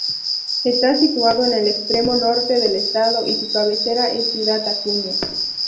Está situado en el extremo norte del estado y su cabecera es Ciudad Acuña.